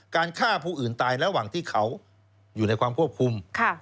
การฆ่าผู้อื่นตายระหว่างที่เขาอยู่ในความควบคุม